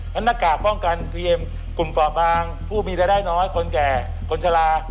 หน้ากากป้องกันเพียงกลุ่มปลอบบางผู้มีรายได้น้อยคนแก่คนชะลา